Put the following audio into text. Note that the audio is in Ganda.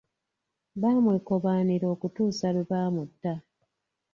Bamwekobaanira okutuusa lwe baamutta.